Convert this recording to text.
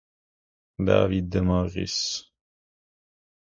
David Morris